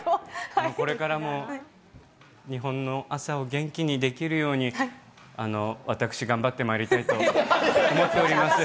これからも日本の朝を元気にできるように私、頑張ってまいりたいと思っております。